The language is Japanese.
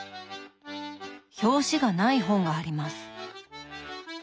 表紙がない本があります。